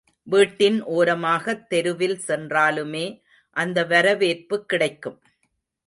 வீட்டின் ஓரமாகத் தெருவில் சென்றாலுமே அந்த வரவேற்பு கிடைக்கும்.